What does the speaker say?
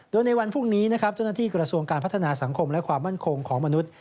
โดยในวันพรุ่งนี้นะครับเจ้าหน้าที่กระทรวงการพัฒนาสังคมและความมั่นคงของมนุษย์